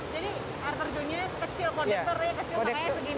jadi air terjunnya kecil kode kecil kode segini